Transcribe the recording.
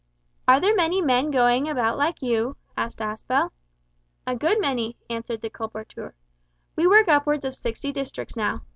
"Are there many men going about like you?" asked Aspel. "A good many," answered the colporteur. "We work upwards of sixty districts now.